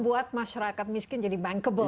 buat masyarakat miskin jadi bankable gitu kan